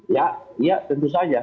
ya ya tentu saja